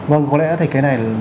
vâng có lẽ là cái này